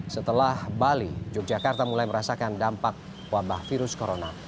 setelah bali yogyakarta mulai merasakan dampak wabah virus corona